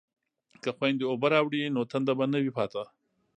که خویندې اوبه راوړي نو تنده به نه وي پاتې.